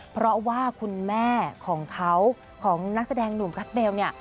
เพราะว่าคุณแม่ของเขาของนักแสดงหนุ่มคัสเบลเนี่ย